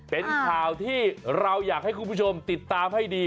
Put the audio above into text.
เป็นข่าวที่เราอยากให้คุณผู้ชมติดตามให้ดี